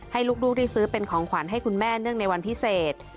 ให้ลูกได้ซื้อเป็นของขวัญให้คุณแม่เนื่องในวันพิเศษ